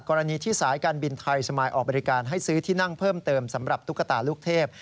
กรณีที่สายการบินไทยสมายออกบริการให้ซื้อที่นั่งเพิ่มเติมสำหรับตุ๊กตาลูกเทพ